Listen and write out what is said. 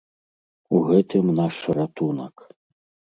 У гэтым наш ратунак!